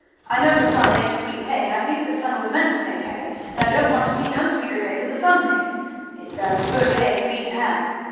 I know the sun makes sweet hay, and I think the sun was meant to make hay, and I don't want to see no sweeter hay than the sun makes; it's as good hay as you need to have."